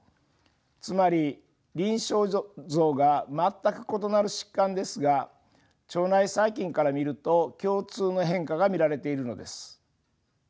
つまり臨床像が全く異なる疾患ですが腸内細菌から見ると共通の変化が見られているのです。